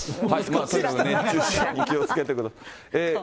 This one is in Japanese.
とにかく熱中症に気をつけてください。